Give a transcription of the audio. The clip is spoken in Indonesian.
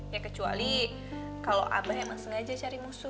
ya kecuali kalau abah emang sengaja cari musuh